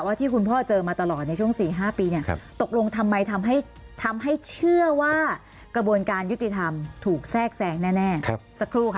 ที่คุณพ่อเจอมาตลอดในช่วง๔๕ปีเนี่ยตกลงทำไมทำให้เชื่อว่ากระบวนการยุติธรรมถูกแทรกแซงแน่สักครู่ค่ะ